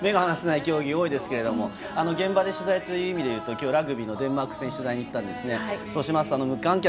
目が離せない競技多いですけど現場の取材ということで言いますとラグビーのデンマーク戦を取材しにいったんです。